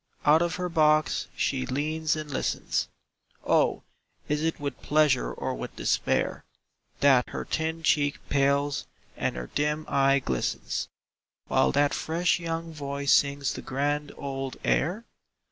Out of her box she leans and listens; Oh, is it with pleasure or with despair That her thin cheek pales and her dim eye glistens, While that fresh young voice sings the grand old air?